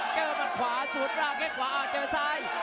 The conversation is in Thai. เจอหมัดขวาสวนร่างแค่ขวาอ้าวเจอซ้าย